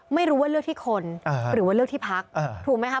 ไม่รู้ว่าเลือกที่คนหรือว่าเลือกที่พักถูกไหมคะ